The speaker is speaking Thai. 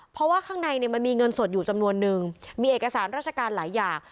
เพราะว่าข้างในเนี่ยมันมีเงินสดอยู่จำนวนนึงมีเอกสารราชการหลายอย่าง